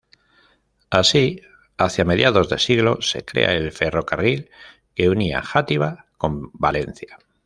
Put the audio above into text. Así Hacia mediados de siglo se crea el ferrocarril que unía Játiva con Valencia.